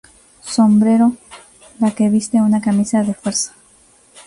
Sombrero la que viste una camisa de fuerza.